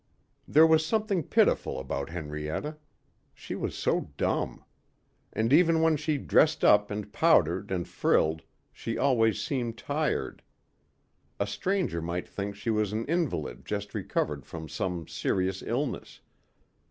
There was something pitiful about Henrietta. She was so dumb. And even when she dressed up and powdered and frilled, she always seemed tired. A stranger might think she was an invalid just recovered from some serious illness....